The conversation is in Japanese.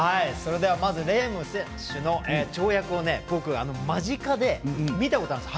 レーム選手の跳躍を僕、間近で見たことがあるんです。